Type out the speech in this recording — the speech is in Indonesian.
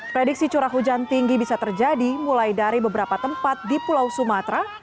prediksi curah hujan tinggi bisa terjadi mulai dari beberapa tempat di pulau sumatera